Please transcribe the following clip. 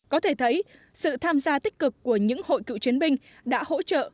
có thể thấy sự tham gia tích cực của những hội cựu chiến binh đã hỗ trợ